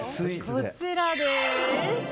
こちらです。